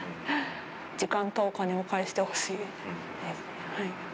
時間とお金を返してほしいです。